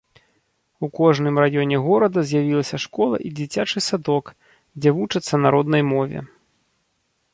У кожным раёне горада з'явілася школа і дзіцячы садок, дзе вучацца на роднай мове.